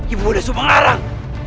ibu unda subang arang